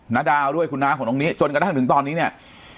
นาดาวด้วยคุณน้าของน้องนิจนกระทั่งถึงตอนนี้เนี่ย